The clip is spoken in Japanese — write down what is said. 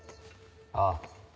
ああ。